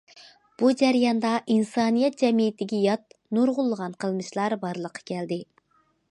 بۇ جەرياندا ئىنسانىيەت جەمئىيىتىگە يات نۇرغۇنلىغان قىلمىشلار بارلىققا كەلدى.